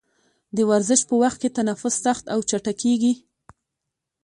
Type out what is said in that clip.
د ورزش په وخت کې تنفس سخت او چټکېږي.